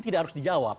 tidak harus dijawab